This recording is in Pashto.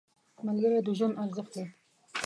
ملګری د ژوند ارزښت دی